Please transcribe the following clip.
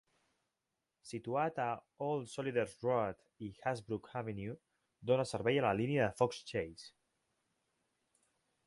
Situat a Old Soldiers Road i Hasbrook Avenue, dona servei a la línia de Fox Chase.